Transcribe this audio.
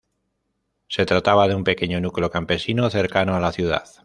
Se trataba de un pequeño núcleo campesino cercano a la ciudad.